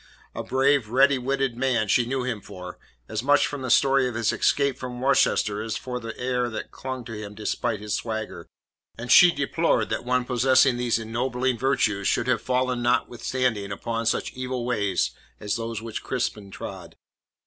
A brave, ready witted man she knew him for, as much from the story of his escape from Worcester as for the air that clung to him despite his swagger, and she deplored that one possessing these ennobling virtues should have fallen notwithstanding upon such evil ways as those which Crispin trod.